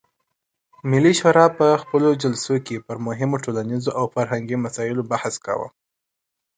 ملي شورا په خپلو جلسو کې پر مهمو ټولنیزو او فرهنګي مسایلو بحث کاوه.